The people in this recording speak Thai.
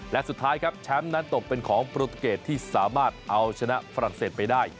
และสุดท้ายครับแชมป์นั้นตกเป็นของโปรตูเกตที่สามารถเอาชนะฝรั่งเศสไปได้